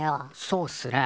そうっすね。